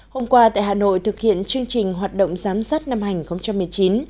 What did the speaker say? hôm qua tại hà nội thực hiện chương trình hoạt động giám sát năm hai nghìn một mươi chín